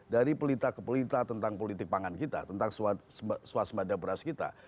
dari pelita ke pelita tentang politik pangan kita tentang swasembada beras kita